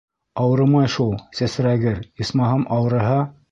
Ауырымай шул, сәсрәгер, исмаһам, ауырыһа...